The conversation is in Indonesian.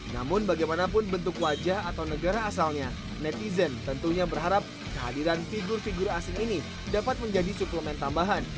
namun bagaimanapun bentuk wajah atau negara asalnya netizen tentunya berharap kehadiran figur figur asing ini dapat menjadi suplemen tambahan